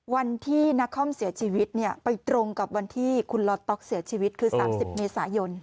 วันที่นักคอมเสียชีวิตไปตรงกับวันที่คุณลอต๊อกเสียชีวิตคือ๓๐เมษายน